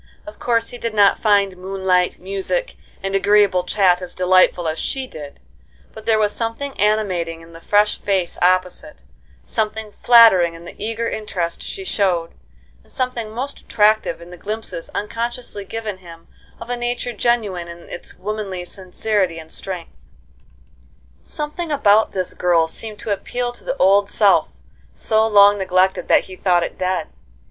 Of course he did not find moonlight, music, and agreeable chat as delightful as she did; but there was something animating in the fresh face opposite, something flattering in the eager interest she showed, and something most attractive in the glimpses unconsciously given him of a nature genuine in its womanly sincerity and strength. Something about this girl seemed to appeal to the old self, so long neglected that he thought it dead.